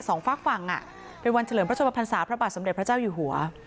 ฝากฝั่งอ่ะเป็นวันเฉลิมพระชมพันศาพระบาทสมเด็จพระเจ้าอยู่หัว